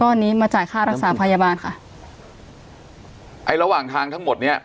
นี้มาจ่ายค่ารักษาพยาบาลค่ะไอ้ระหว่างทางทั้งหมดเนี้ย